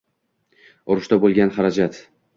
Urushda bo‘lgan harajat